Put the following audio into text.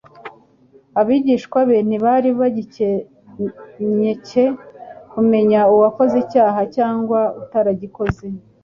Abigishwa be ntibari bagikencye kumenya Uwakoze icyaha cyangwa utaragikoze;